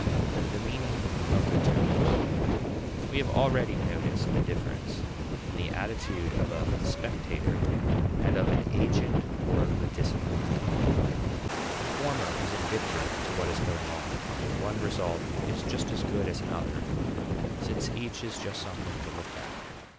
The Meaning of the Terms. We have already noticed the difference in the attitude of a spectator and of an agent or participant. The former is indifferent to what is going on; one result is just as good as another, since each is just something to look at.